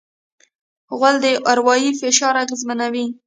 غول د اروایي فشار اغېزمنوي.